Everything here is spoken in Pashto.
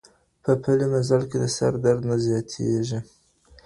په پلي مزل کي د سر درد نه زیاتېږي.